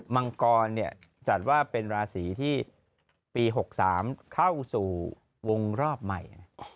มังกรจัดว่าเป็นราศีที่ปี๖๓เข้าสู่วงรอบใหม่